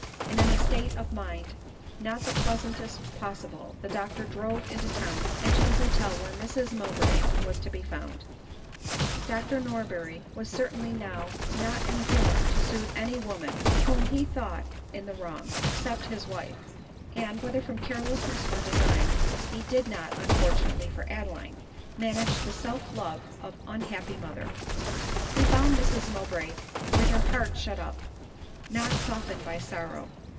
And in a state of mind not the pleasantest possible the doctor drove into town, and to the hotel where Mrs Mowbray was to be found. Dr Norberry was 'certainly now not in a humor to sooth any woman whom he thought in the wrong, except his wife ; and, whether from carelessness or design, he did not, unfortunately for Adeline, manage the self love of her unhappy mother. He found Mrs Mowbray with her heart shut up, not softened by sorrow.